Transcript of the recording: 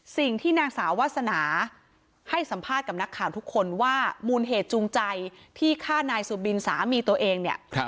สิ่งที่นางสาววาสนาให้สัมภาษณ์กับนักข่าวทุกคนว่ามูลเหตุจูงใจที่ฆ่านายสุบินสามีตัวเองเนี่ย